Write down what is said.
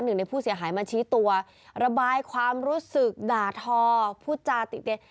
หนึ่งในผู้เสียหายมาชี้ตัวระบายความรู้สึกด่าทอพูดจาติดเตียง